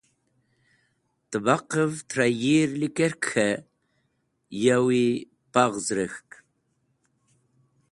Tẽbaqẽv tẽr yir likerk k̃hẽ yawi paghz rek̃hk.